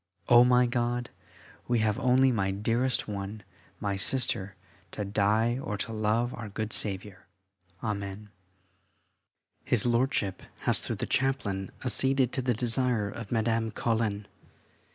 Oh, my God, we have only, my dearest one, my Sister, to die or to love our good Saviour. Amen. His Lordship has, through the chaplain, acceded to the desire of Madame Colin.